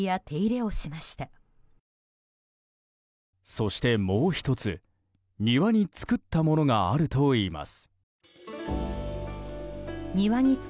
そして、もう１つ庭に作ったものがあるといいます。